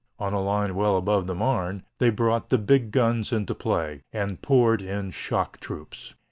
On a line well above the Marne, they brought the big guns into play, and poured in shock troops.